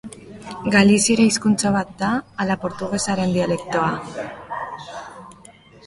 Galiziera hizkuntza bat da ala portugesaren dialektoa?